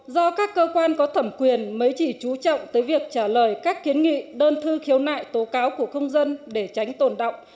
do các cơ quan có thẩm quyền mới chỉ trú trọng tới việc trả lời các kiến nghị đơn thư khiếu nại tố cáo của công dân để tránh tồn động